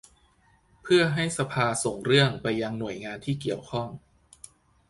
เพื่อให้สภาส่งเรื่องไปยังหน่วยงานที่เกี่ยวข้อง